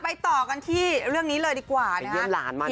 ไปต่อกันที่เรื่องนี้เลยดีกว่า